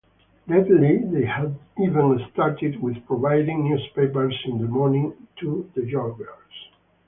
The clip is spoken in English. Lately they have even started with providing newspapers in the morning to the joggers.